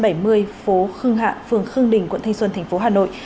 phố khương hạ phường khương đình quận thanh xuân thành phố hà nội